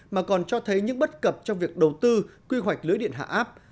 mà còn cho thấy những bất cập trong việc đầu tư quy hoạch lưới điện hạ áp